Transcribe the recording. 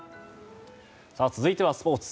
続いてはスポーツ。